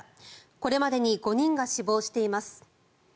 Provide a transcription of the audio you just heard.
これまでに５人が死亡しています。